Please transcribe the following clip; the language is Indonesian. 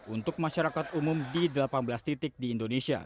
untuk masyarakat umum di delapan belas titik di indonesia